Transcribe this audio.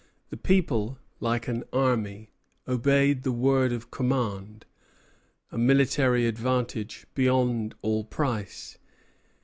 The people, like an army, obeyed the word of command, a military advantage beyond all price.